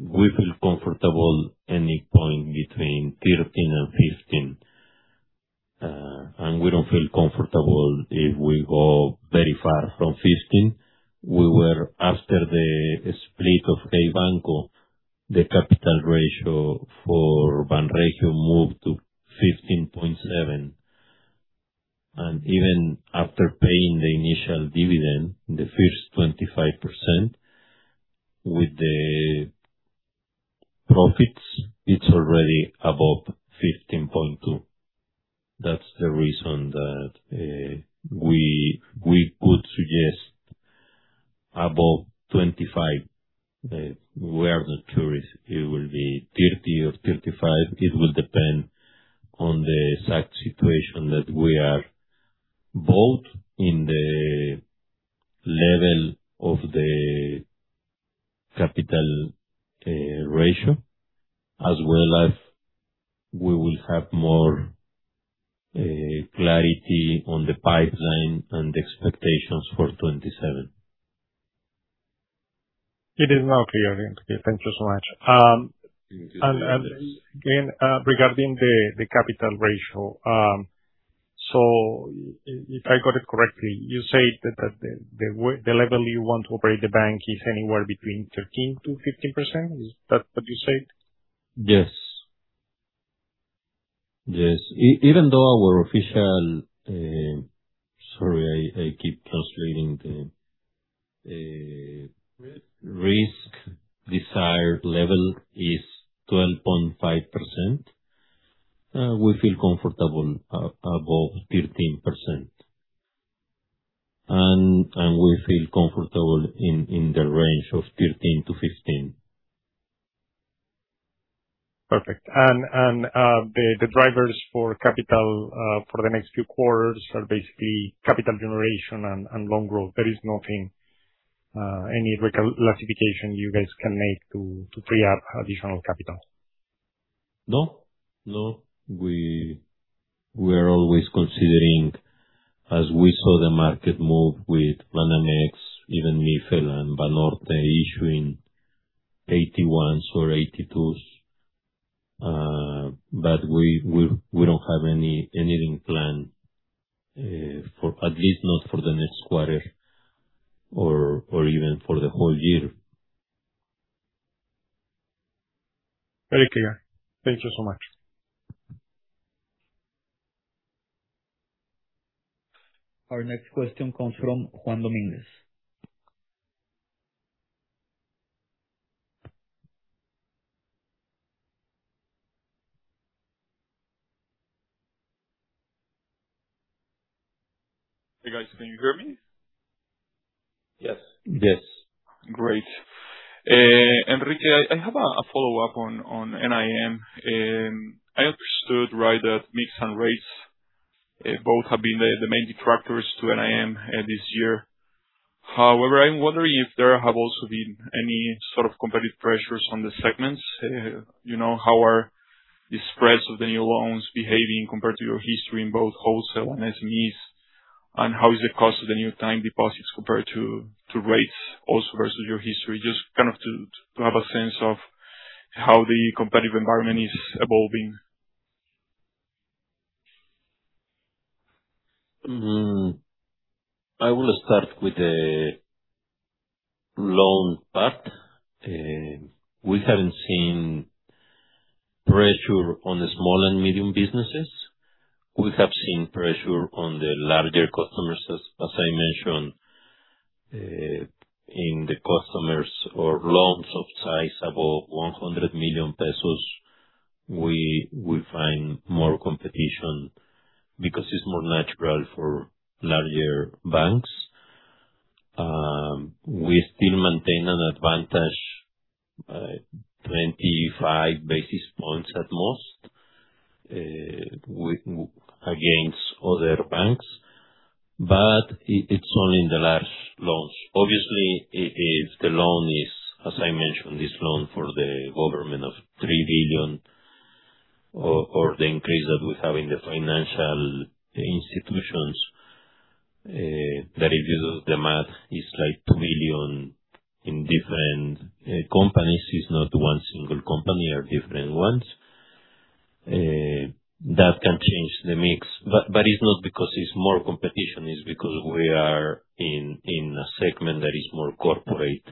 [SPEAKER 4] We feel comfortable any point between 13% and 15%. We don't feel comfortable if we go very far from 15%. After the split of Hey Banco, the capital ratio for Banregio moved to 15.7%. Even after paying the initial dividend, the first 25%, with the profits, it is already above 15.2%. That is the reason that we would suggest above 25%. We are not sure if it will be 30% or 35%. It will depend on the exact situation that we are both in the level of the capital ratio, as well as we will have more clarity on the pipeline and the expectations for 2027.
[SPEAKER 10] It is now clear. Thank you so much. Again, regarding the capital ratio. If I got it correctly, you said that the level you want to operate the bank is anywhere between 13% to 15%? Is that what you said?
[SPEAKER 4] Yes. Even though our official, sorry, I keep translating. Risk desired level is 12.5%. We feel comfortable above 13%. We feel comfortable in the range of 13%-15%.
[SPEAKER 10] Perfect. The drivers for capital for the next few quarters are basically capital generation and loan growth. There is nothing, any classification you guys can make to free up additional capital?
[SPEAKER 4] No. We are always considering, as we saw the market move with Banamex, even Mifel and Banorte issuing AT1s or AT2s. We don't have anything planned, at least not for the next quarter or even for the whole year.
[SPEAKER 10] Very clear. Thank you so much.
[SPEAKER 1] Our next question comes from Juan Dominguez.
[SPEAKER 11] Hey, guys. Can you hear me?
[SPEAKER 4] Yes.
[SPEAKER 2] Yes.
[SPEAKER 11] Great. Enrique, I have a follow-up on NIM. I understood right that mix and rates, both have been the main detractors to NIM this year. However, I'm wondering if there have also been any sort of competitive pressures on the segments. How are the spreads of the new loans behaving compared to your history in both wholesale and SMEs? How is the cost of the new time deposits compared to rates also versus your history? Just to have a sense of how the competitive environment is evolving.
[SPEAKER 4] I will start with the loan part. We haven't seen pressure on the small and medium businesses. We have seen pressure on the larger customers, as I mentioned. In the customers or loans of size above 100 million pesos, we will find more competition because it's more natural for larger banks. We still maintain an advantage, 25 basis points at most, against other banks, but it's only in the large loans. Obviously, as I mentioned, this loan for the government of 3 billion, or the increase that we have in the financial institutions. If you do the math, it's like 2 million in different companies. It's not one single company, are different ones. That can change the mix. It's not because it's more competition, it's because we are in a segment that is more corporate.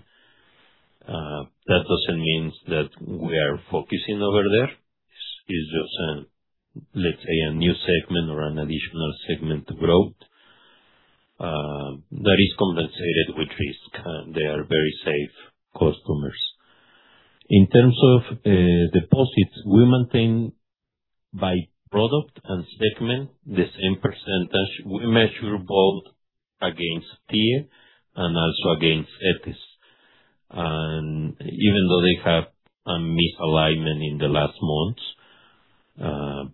[SPEAKER 4] That doesn't mean that we are focusing over there. It's just, let's say, a new segment or an additional segment growth, that is compensated with risk, and they are very safe customers. In terms of deposits, we maintain by product and segment, the same percentage. We measure both against TIIE and also against CETES. Even though they have a misalignment in the last months,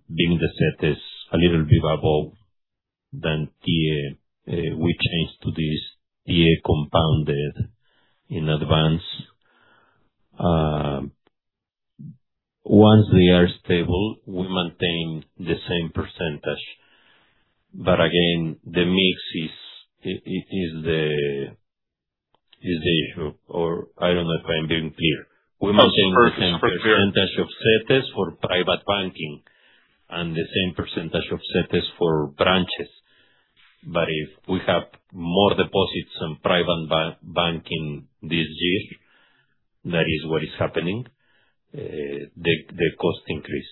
[SPEAKER 4] being the CETES a little bit above than TIIE, we changed to this TIIE compounded in advance. Once they are stable, we maintain the same percentage. Again, the mix is the issue, or I don't know if I'm being clear.
[SPEAKER 11] It's clear.
[SPEAKER 4] We maintain the same percentage of CETES for private banking and the same percentage of CETES for branches. If we have more deposits on private banking this year, that is what is happening, the cost increase.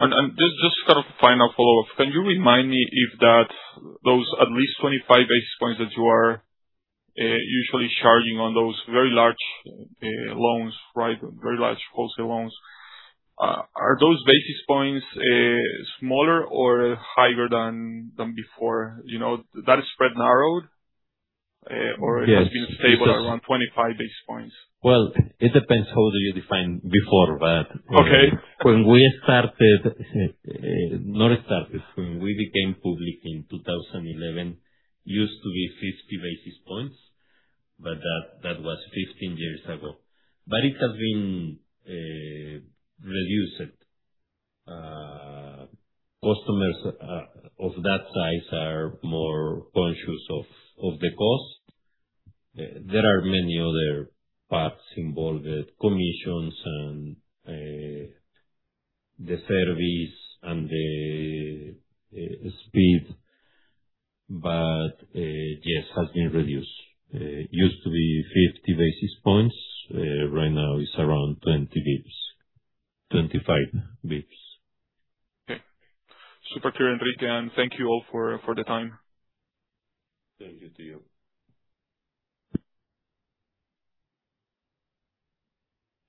[SPEAKER 11] Just kind of a final follow-up. Can you remind me if those at least 25 basis points that you are usually charging on those very large loans, very large wholesale loans, are those basis points smaller or higher than before? That spread narrowed or it has been stable around 25 basis points?
[SPEAKER 4] Well, it depends how do you define before. When we started, when we became public in 2011, it used to be 50 basis points, but that was 15 years ago. It has been reduced. Customers of that size are more conscious of the cost. There are many other parts involved, commissions and the service and the speed. Yes, it has been reduced. It used to be 50 basis points. Right now, it's around 20 basis points, 25 basis points.
[SPEAKER 11] Super clear, Enrique. Thank you all for the time.
[SPEAKER 4] Thank you to you.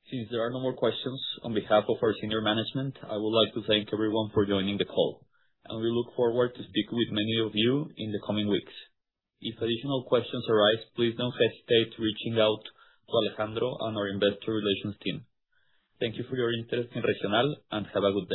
[SPEAKER 1] Since there are no more questions, on behalf of our senior management, I would like to thank everyone for joining the call. We look forward to speak with many of you in the coming weeks. If additional questions arise, please don't hesitate reaching out to Alejandro and our investor relations team. Thank you for your interest in Regional. Have a good day.